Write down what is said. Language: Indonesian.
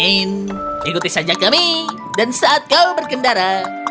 ikuti saja kami dan saat kau berkendara